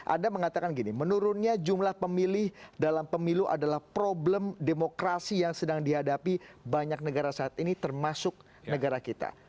anda mengatakan gini menurunnya jumlah pemilih dalam pemilu adalah problem demokrasi yang sedang dihadapi banyak negara saat ini termasuk negara kita